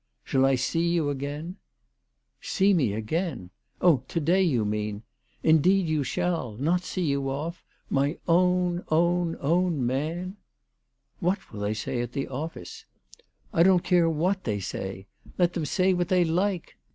Shall I see you again ?"" See me again ! Oh, io day, you mean. Indeed you shall. Not see you off ? My own, own, own man?" " What will they say at the office ?"" I don't care what they say. Let them say what they like.